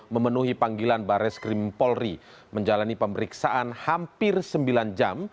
memenuhi panggilan bares krimpolri menjalani pemeriksaan hampir sembilan jam